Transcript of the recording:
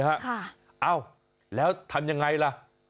เอ้าแล้วทำยังไงล่ะ